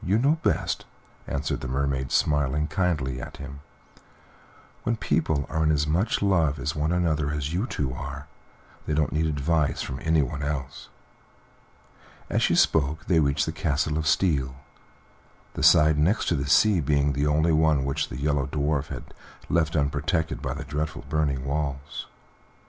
"You know best," answered the Mermaid, smiling kindly at him. "When people are as much in love with one another as you two are, they don't need advice from anyone else." As she spoke they reached the Castle of Steel, the side next the sea being the only one which the Yellow Dwarf had left unprotected by the dreadful burning walls.